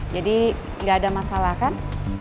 jadi gak ada masalah kan